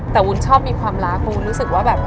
แต่วุ้นชอบมีความรักวุ้นรู้สึกว่าแบบ